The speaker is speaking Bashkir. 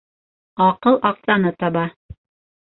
Аҡыл аҡсаны таба.